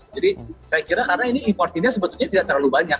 jadi saya kira karena ini importirnya sebetulnya tidak terlalu banyak